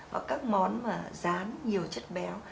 và các món mà dán nhiều chất béo